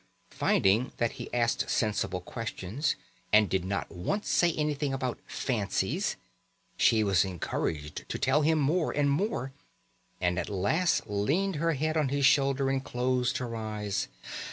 Finding that he asked sensible questions, and did not once say anything about "fancies", she was encouraged to tell him more and more, and at last leant her head on his shoulder and closed her eyes.